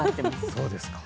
そうですか。